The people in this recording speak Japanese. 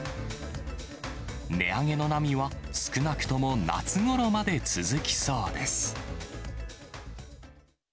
値上げの波は、少なくとも夏ごろまで続きそうです。